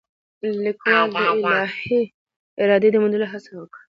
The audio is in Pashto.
لیکوال د الهي ارادې د موندلو هڅه وکړه.